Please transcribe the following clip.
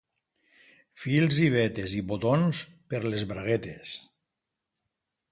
—Fils i vetes i botons per les braguetes.